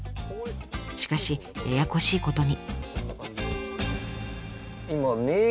しかしややこしいことに。